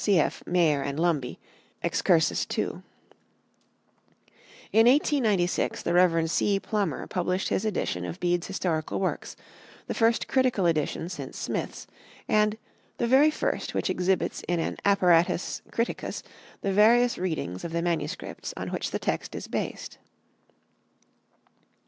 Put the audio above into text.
(cf. Mayor and Lumby, Excursus II). In 1896 the Rev. C. Plummer published his edition of Bede's Historical Works, the first critical edition since Smith's, and "the very first which exhibits in an apparatus criticus the various readings of the MSS. on which the text is based."